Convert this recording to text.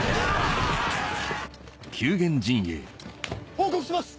報告します！